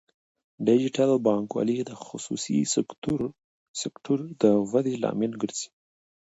ډیجیټل بانکوالي د خصوصي سکتور د ودې لامل ګرځي.